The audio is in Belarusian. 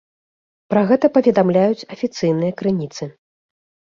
Пра гэта паведамляюць афіцыйныя крыніцы.